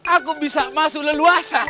aku bisa masuk leluasa